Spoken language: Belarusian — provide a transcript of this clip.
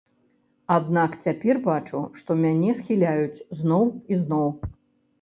Аднак цяпер бачу, што мяне схіляюць зноў і зноў.